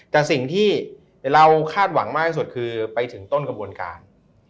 แต่สิ่งที่เราคาดหวังมากที่สุดคือไปถึงต้นกระบวนการ